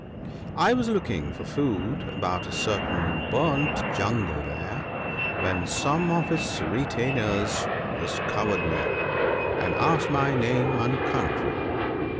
I was looking for food about a certain burnt jungle there, when some of his retainers discovered me, and asked my name and country.